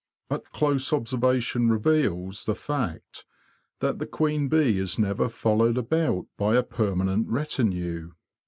But close observation reveals the fact that the queen bee is never followed about by a permanent retinue.